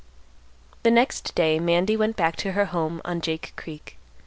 The next day Mandy went back to her home on Jake Creek.